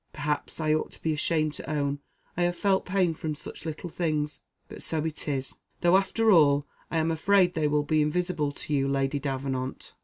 Perhaps, I ought to be ashamed to own I have felt pain from such little things. But so it is; though, after all, I am afraid they will be invisible to you, Lady Davenant."